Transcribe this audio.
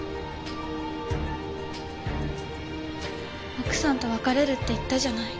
奥さんと別れるって言ったじゃない。